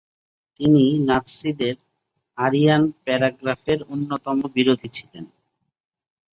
তিনি নাৎসিদের আরিয়ান প্যারাগ্রাফের অন্যতম বিরোধী ছিলেন ।